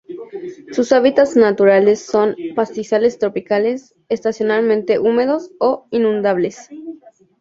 Sus hábitats naturales son pastizales tropicales, estacionalmente húmedos o inundables.